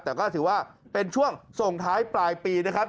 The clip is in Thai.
แต่ก็ถือว่าเป็นช่วงส่งท้ายปลายปีนะครับ